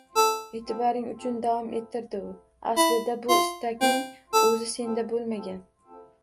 Eʼtiboring uchun, – davom ettirdi u, aslida bu istakning oʻzi senda boʻlmagan.